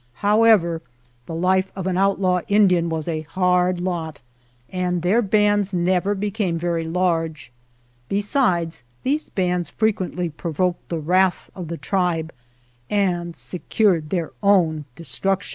However, the life of an outlaw Indian was a hard lot, and their bands never became very large; besides, these bands frequently provoked the wrath of the tribe and secured their own destruction.